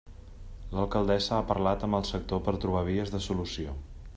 L'alcaldessa ha parlat amb el sector per trobar vies de solució.